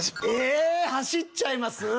ええ走っちゃいます？